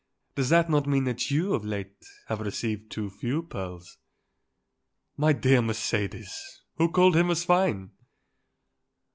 Does that not mean that you, of late, have received too few pearls?" "My dear Mercedes! Who called him a swine?"